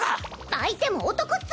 相手も男っス！